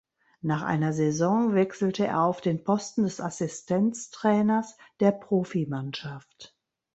Nach einer Saison wechselte er auf den Posten des Assistenztrainers der Profimannschaft.